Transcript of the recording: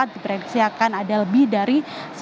di prediksi akan ada lebih dari